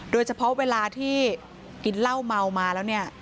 โดยเฉพาะเวลาที่กินเหล้าเมามาแล้วเนี่ย